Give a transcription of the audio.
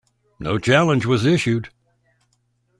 No challenge was issued.